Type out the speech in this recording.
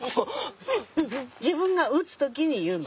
自分が打つ時に言うの。